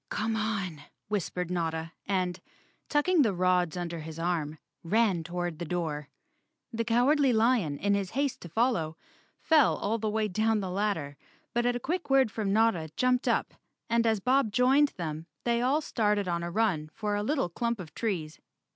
"Come on," whispered Notta and, tucking the rods under his arm, ran toward the door. The Cowardly Lion, in his haste to follow, fell all the way down the ladder, but at a quick word from Notta jumped up, and as Bob joined them they all started on a run for a little clump of trees.